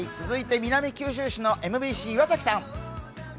続いて南九州市、ＭＢＣの岩崎さん。